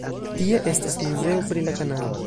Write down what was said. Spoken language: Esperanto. Tie estas muzeo pri la kanalo.